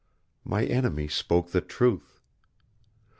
My enemy spoke the truth.